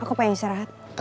aku pengen istirahat